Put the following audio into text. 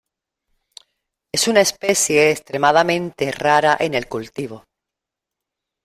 Es una especie extremadamente rara en el cultivo.